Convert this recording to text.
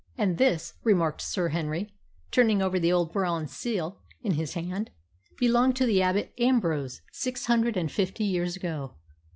'" "And this," remarked Sir Henry, turning over the old bronze seal in his hand, "belonged to the Abbot Ambrose six hundred and fifty years ago!"